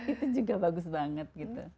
itu juga bagus banget